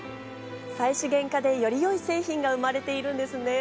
再資源化でよりよい製品が生まれているんですね。